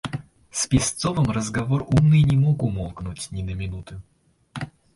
С Песцовым разговор умный не мог умолкнуть ни на минуту.